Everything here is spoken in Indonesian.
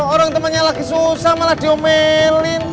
orang temannya lagi susah malah diomelin